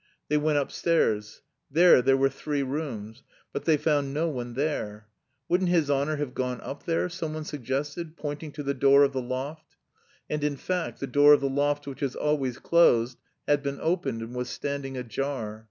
They went upstairs. There there were three rooms; but they found no one there. "Wouldn't his honour have gone up there?" someone suggested, pointing to the door of the loft. And in fact, the door of the loft which was always closed had been opened and was standing ajar.